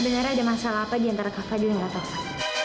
benar ada masalah apa diantara kak fadil dan kak tovan